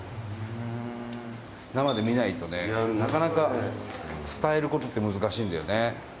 生で見ないとね、なかなか伝える事って難しいんだよね。